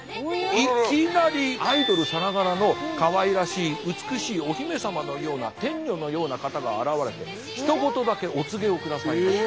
いきなりアイドルさながらのかわいらしい美しいお姫様のような天女のような方が現れてひと言だけお告げをくださいました。